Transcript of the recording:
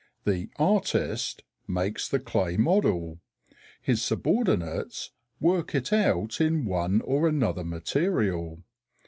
The "artist" makes the clay model; his subordinates work it out in one or another material.